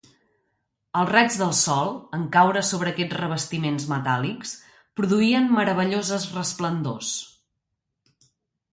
Els raigs del sol, en caure sobre aquests revestiments metàl·lics, produïen meravelloses resplendors.